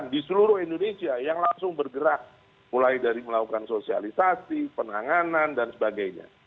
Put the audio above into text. di seluruh indonesia yang langsung bergerak mulai dari melakukan sosialisasi penanganan dan sebagainya